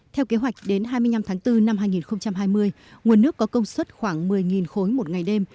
theo kế hoạch đến hai mươi năm tháng bốn năm hai nghìn hai mươi nguồn nước có công suất khoảng một mươi khối một ngày đêm